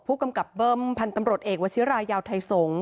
ผู้กำกับเบิ้มพันธุ์ตำรวจเอกวชิรายาวไทยสงศ์